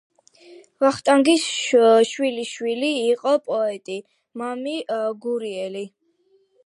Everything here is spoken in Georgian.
ვახტანგის შვილიშვილი იყო პოეტი მამია გურიელი.